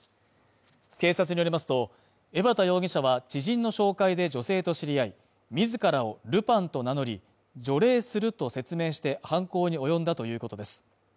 警察によりますと、江畑容疑者は知人の紹介で女性と知り合い、自らをルパンと名乗り、除霊すると説明して犯行に及んだということです。